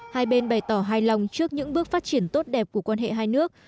hai bên bày tỏ hài lòng trước những bước phát triển tốt đẹp của quan hệ hai nước